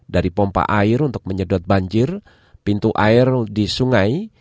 dari pompa air untuk menyedot banjir pintu air di sungai